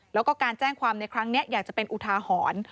แล้วก็การแจ้งความในครั้งนี้อยากจะเป็นอุทาหรณ์